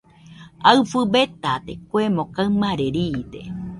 Aɨfɨ betade, kuemo kaɨmare riide.